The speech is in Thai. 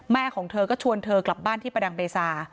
ของเธอก็ชวนเธอกลับบ้านที่ประดังเบซา